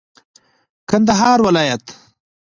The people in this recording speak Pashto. کندهار ولايت